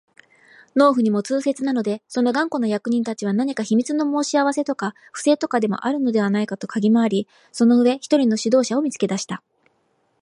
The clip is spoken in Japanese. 農夫にも痛切なので、その頑固な役人たちは何か秘密の申し合せとか不正とかでもあるのではないかとかぎ廻り、その上、一人の指導者を見つけ出した